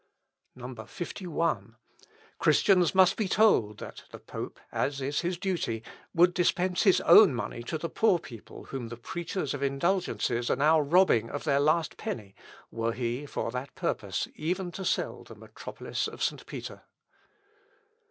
51. "Christians must be told that the pope, as is his duty, would dispense his own money to the poor people whom the preachers of indulgences are now robbing of their last penny, were he, for that purpose, even to sell the metropolis of St. Peter.